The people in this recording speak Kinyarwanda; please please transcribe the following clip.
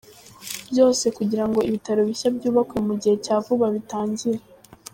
byose kugira ngo ibitaro bishya byubakwe mu gihe cya vuba bitangire